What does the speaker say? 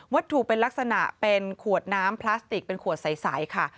ถูกเป็นลักษณะเป็นขวดน้ำพลาสติกเป็นขวดใสค่ะ